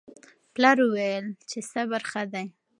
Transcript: پلار وویل چې صبر ښه دی.